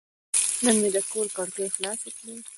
نن مې د کور کړکۍ خلاصې کړې.